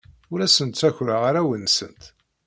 Ur asent-ttakreɣ arraw-nsent.